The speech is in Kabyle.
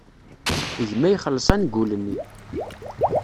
Gma ixelleṣ angul-nni.